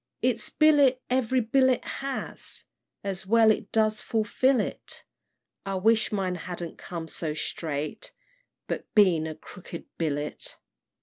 "Its billet every bullet has, And well it does fulfil it; I wish mine hadn't come so straight. But been a 'crooked billet.'